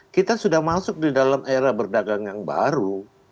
kita sudah masuk di dalam era berdagang yang baru